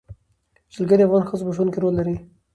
جلګه د افغان ښځو په ژوند کې رول لري.